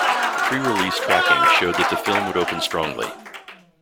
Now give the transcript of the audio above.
Pre-release tracking showed that the film would open strongly.